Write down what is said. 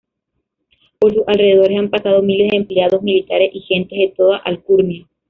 Por sus alrededores han pasado miles de empleados, militares y gentes de toda alcurnia.